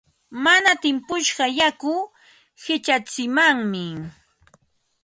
Mana timpushqa yaku qichatsimanmi.